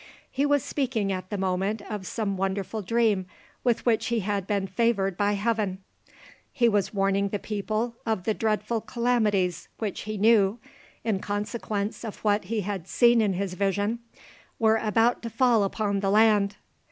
He was speaking at the moment of some wonderful dream with which he had been favoured by Heaven. He was warning the people of the dreadful calamities which he knew, in consequence of what he had seen in his vision, were about to fall upon the land.